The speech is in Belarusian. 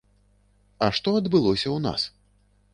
А што адбылося ў нас?